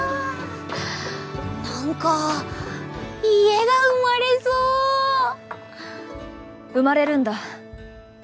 なんか家が生まれそう生まれるんだ